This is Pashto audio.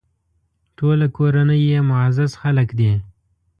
ټوله کورنۍ یې معزز خلک دي.